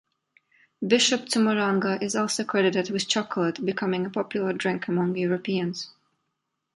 Bishop Zumarraga is also credited with chocolate becoming a popular drink among Europeans.